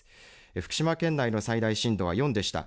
福島県内の最大震度は４でした。